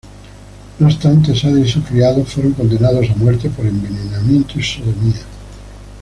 No obstante, Sade y su criado fueron condenados a muerte por envenenamiento y sodomía.